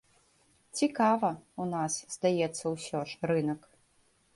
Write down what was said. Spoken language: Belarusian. Цікава, у нас, здаецца, усё ж, рынак.